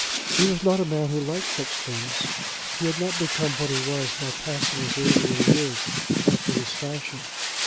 He was not a man who liked such things. He had not become what he was by passing his earlier years after this fashion.